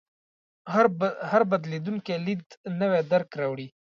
هر بدلېدونکی لید نوی درک راوړي.